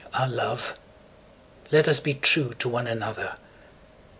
Ah, love, let us be true To one another!